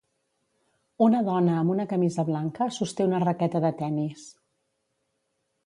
Una dona amb una camisa blanca sosté una raqueta de tennis.